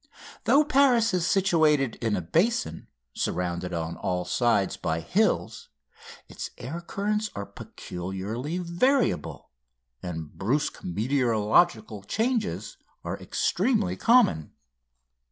Though Paris is situated in a basin, surrounded on all sides by hills, its air currents are peculiarly variable, and brusque meteorological changes are extremely common.